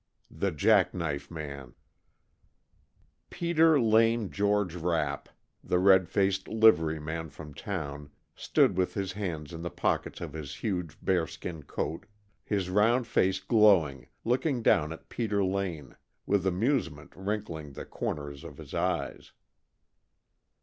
DW I. THE JACK KNIFE MAN PETER LANE GEORGE RAPP, the red faced livery man from town, stood with his hands in the pockets of his huge bear skin coat, his round face glowing, looking down at Peter Lane, with amusement wrinkling the corners of his eyes.